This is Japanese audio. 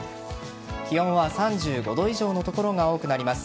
気温は３５度以上の所が多くなります。